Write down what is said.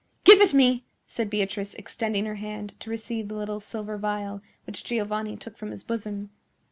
"Give it me!" said Beatrice, extending her hand to receive the little silver vial which Giovanni took from his bosom.